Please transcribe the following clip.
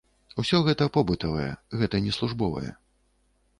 Усё гэта побытавае, гэта не службовае.